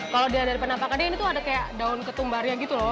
kalau dilihat dari penampakannya ini tuh ada kayak daun ketumbarnya gitu loh